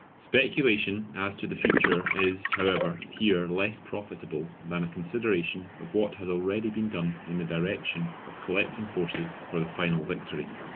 Speculation as to the future is, however, here less profitable than a consideration of what has been already done in the direction of collecting forces for the final victory.